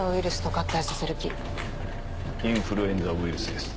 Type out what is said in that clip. インフルエンザ・ウイルスです。